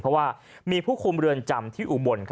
เพราะว่ามีผู้คุมเรือนจำที่อุบล